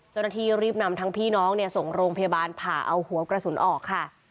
เจ้าหน้าที่รีบนำทั้งพี่น้องส่งโรงพยาบาลผ่าเอาหัวกระสุนออกค่ะ